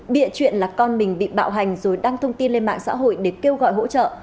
bịa chuyện là con mình bị bạo hành rồi đăng thông tin lên mạng xã hội để kêu gọi hỗ trợ